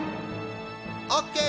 オッケー！